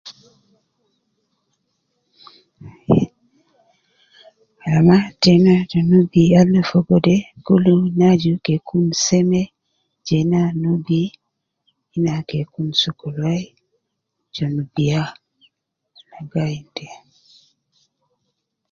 Aii, kalama tena ta nubi al na fogo de kulu ina aju ke kun seme, jena nubi, ina ke kun sokol wai, je nubia, gai te